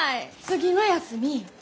次の休み